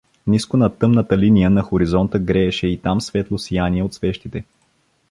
Ниско над тъмната линия на хоризонта грееше и там светло сияние от свещите.